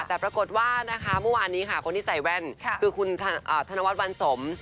แต่ปรากฏว่านะคะเมื่อวานนี้ค่ะคนที่ใส่แว่นคือคุณธนวัฒน์วันสม